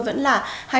vẫn là hai mươi ba tám